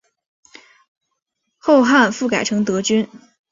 后汉复改成德军。